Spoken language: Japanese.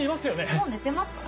もう寝てますから。